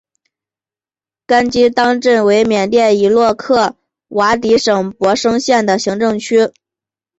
甘基当镇为缅甸伊洛瓦底省勃生县的行政区。